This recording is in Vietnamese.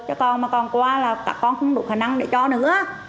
chứ con mà con qua là các con không đủ khả năng để cho nữa